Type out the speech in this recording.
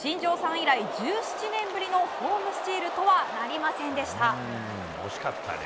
以来１７年ぶりのホームスチールとはなりませんでした。